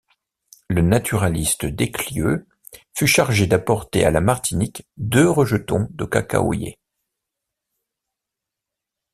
Le naturaliste Desclieux fut chargé d’apporter à la Martinique deux rejetons de cacaoyers.